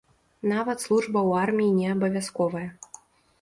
Нават служба ў арміі не абавязковая.